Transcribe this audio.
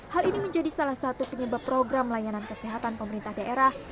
hal ini menjadi salah satu penyebab program layanan kesehatan pemerintah daerah